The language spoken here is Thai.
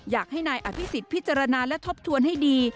อยากให้นายอภิษฎพิจารณาและทบทวนให้ดี